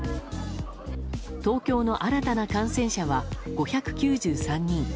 東京の新たな感染者は５９３人。